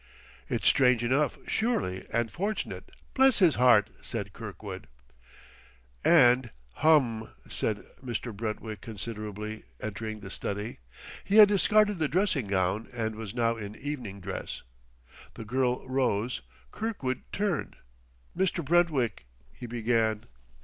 "It's strange enough, surely and fortunate. Bless his heart!" said Kirkwood. And, "Hum!" said Mr. Brentwick considerately, entering the study. He had discarded the dressing gown and was now in evening dress. The girl rose. Kirkwood turned. "Mr. Brentwick " he began.